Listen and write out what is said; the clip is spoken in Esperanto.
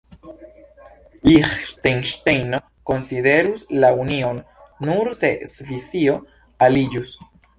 Liĥtenŝtejno konsiderus la union, nur se Svisio aliĝus.